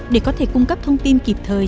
để có thể cung cấp thông tin kịp thời